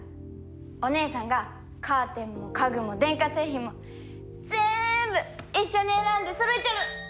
お姉さんがカーテンも家具も電化製品もぜんぶ一緒に選んでそろえちゃる！